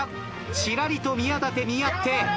ちらりと宮舘見やってさあ